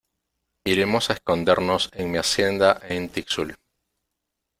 iremos a escondernos en mi Hacienda de Tixul.